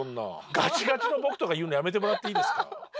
ガチガチの僕とか言うのやめてもらっていいですか。